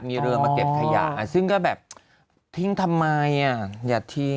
มันรับง่าย